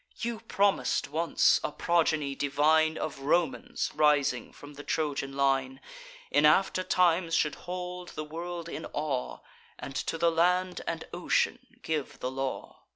You promis'd once, a progeny divine Of Romans, rising from the Trojan line, In after times should hold the world in awe, And to the land and ocean give the law.